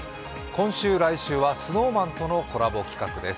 今週、来週はＳｎｏｗＭａｎとのコラボ企画です。